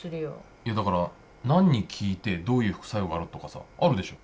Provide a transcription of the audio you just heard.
いやだから何に効いてどういう副作用があるとかさあるでしょ？